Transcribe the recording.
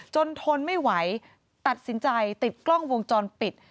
ทนไม่ไหวตัดสินใจติดกล้องวงจรปิด